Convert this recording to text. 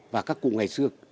và các cụ ngày xưa